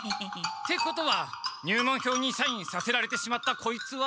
ってことは入門票にサインさせられてしまったこいつは。